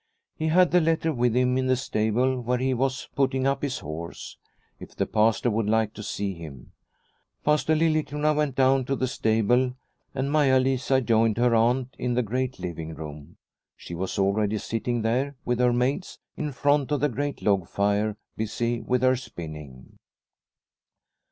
He had the letter with him in the stable where he was putting up his horse, if the Pastor would like to see him. Pastor Liliecrona went down to the stable and Maia Lisa joined her Aunt in the great living room. She was already sitting there with her maids in front of the great log fire, busy with her spinning.